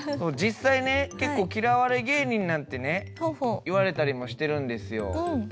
実際ね結構嫌われ芸人なんてね言われたりもしてるんですよ。